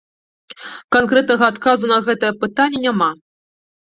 Канкрэтнага адказу на гэтае пытанне няма.